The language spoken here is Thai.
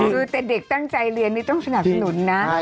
คือแต่เด็กตั้งใจเรียนนี่ต้องสนับสนุนนะ